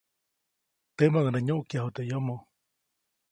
Temäʼuŋ nä nyuʼkyaju teʼ yomo.